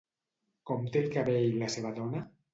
Com té el cabell la seva dona?